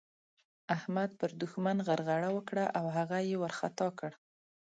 احمد پر دوښمن غرغړه وکړه او هغه يې وارخطا کړ.